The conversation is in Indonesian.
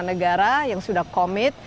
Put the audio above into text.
empat puluh lima negara yang sudah commit